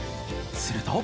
すると。